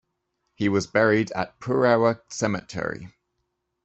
He was buried at Purewa Cemetery.